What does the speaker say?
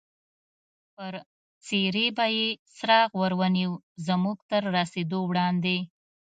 پر څېرې به یې څراغ ور ونیو، زموږ تر رسېدو وړاندې.